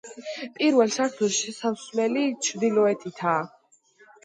პირველ სართულზე შესასვლელი ჩრდილოეთითაა.